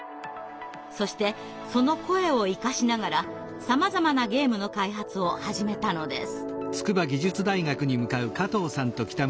そしてその声を生かしながらさまざまなゲームの開発を始めたのです。